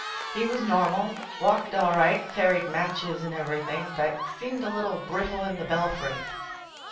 He was normal, walked all right, carried matches and everything, but seemed a little brittle in the belfry.